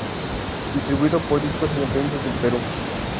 Distribuido por Discos Independientes del Perú.